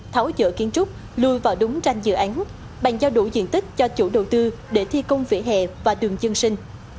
tháo dỡ kiến trúc lưu vào đúng tranh dự án bàn giao đủ diện tích cho chủ đầu tư để thi công vỉa hè và đường dân sinh